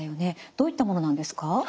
どういったものなんですか？